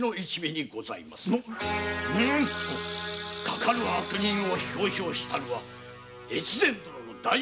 かかる悪人を表彰したるは大岡殿の大失態。